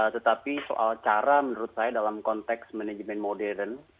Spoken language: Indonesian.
tetapi soal cara menurut saya dalam konteks manajemen modern